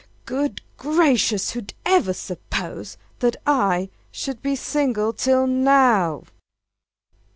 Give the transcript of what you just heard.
Good gracious! who ever supposed That I should be single till now?